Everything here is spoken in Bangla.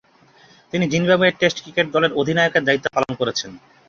তিনি জিম্বাবুয়ের টেস্ট ক্রিকেট দলের অধিনায়কের দায়িত্ব পালন করেছেন।